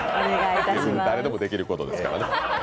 誰でもできることですからね。